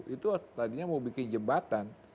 itu tadinya mau bikin jembatan